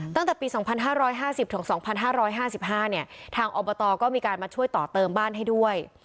ตั้งแต่ปี๒๕๕๐๒๕๕๕ทางอบตก็มีการมาช่วยต่อเติมบ้านให้ด้วย